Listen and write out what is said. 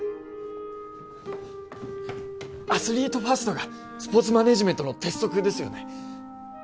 アスリートファーストがスポーツマネージメントの鉄則ですよね？